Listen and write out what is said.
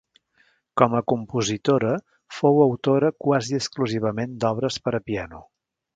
Com a compositora fou autora quasi exclusivament d'obres per a piano.